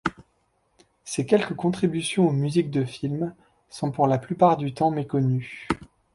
Ses quelques contributions aux musiques de films sont pour la plupart du temps méconnues.